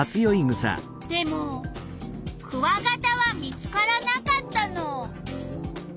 でもクワガタは見つからなかったの。